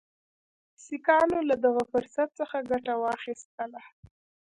سیکهانو له دغه فرصت څخه ګټه واخیستله.